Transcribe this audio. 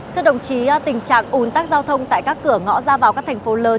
thưa đồng chí tình trạng ủn tắc giao thông tại các cửa ngõ ra vào các thành phố lớn